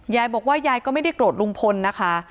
ยายบอกว่ายายก็ไม่ได้โกรธลุงพลนะคะ